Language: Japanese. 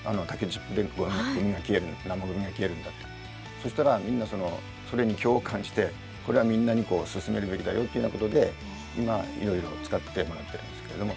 そしたらみんなそれに共感してこれはみんなに勧めるべきだよってなことで今いろいろ使ってもらってるんですけれども。